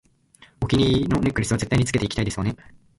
お気に入りのネックレスは絶対につけていきたいですわね